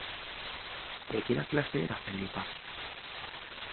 De quina classe era Felipa?